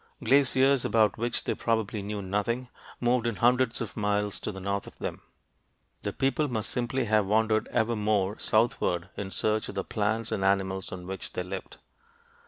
Glaciers, about which they probably knew nothing, moved in hundreds of miles to the north of them. The people must simply have wandered ever more southward in search of the plants and animals on which they lived.